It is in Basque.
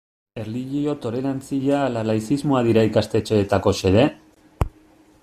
Erlijio tolerantzia ala laizismoa dira ikastetxeetako xede?